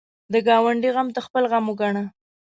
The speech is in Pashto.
د ګاونډي غم ته خپل غم وګڼه